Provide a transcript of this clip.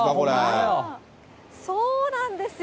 そうなんですよ。